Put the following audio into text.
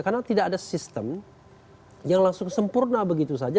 karena tidak ada sistem yang langsung sempurna begitu saja